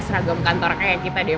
seragam kantor kayak kita deh